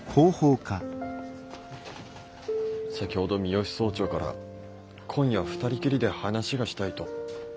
先ほど三芳総長から今夜二人きりで話がしたいと。